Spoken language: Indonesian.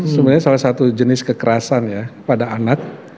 sebenarnya salah satu jenis kekerasan ya pada anak